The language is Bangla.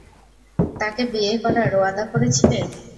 তাকে বিয়ে করার ওয়াদা করেছিলে?